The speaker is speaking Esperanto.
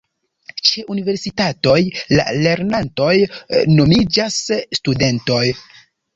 Ĉe universitatoj la lernantoj nomiĝas studentoj.